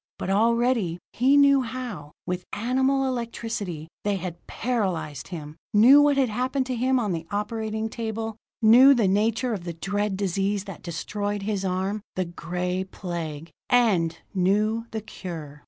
But already, he knew how, with animal electricity, they had paralyzed him; knew what had happened to him on the operating table; knew the nature of the dread disease that destroyed his arm; the Gray Plague and knew the cure!